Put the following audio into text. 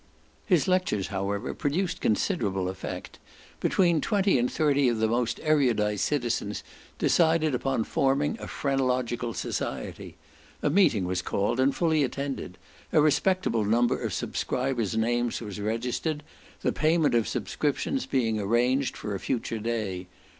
His lectures, however, produced considerable effect. Between twenty and thirty of the most erudite citizens decided upon forming a phrenological society. A meeting was called, and fully attended; a respectable number of subscribers' names was registered, the payment of subscriptions being arranged for a future day.